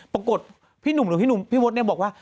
ปรากฏพี่หนุ่มหรือพี่หนุ่มพี่มดเนี่ยบอกว่า